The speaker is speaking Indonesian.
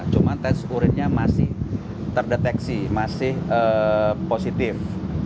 cuma tes urinnya masih terdeteksi masih positif